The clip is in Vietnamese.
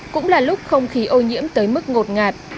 cũng là lúc không khí ô nhiễm tới mức ngột ngạt